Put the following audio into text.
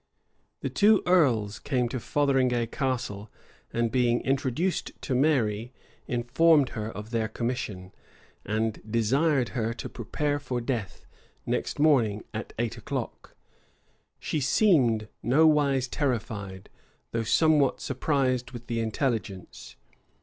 The two earls came to Fotheringay Castle, and being introduced to Mary, informed her of their commission, and desired her to prepare for death next morning at eight o'clock. She seemed nowise terrified, though somewhat surprised, with the intelligence.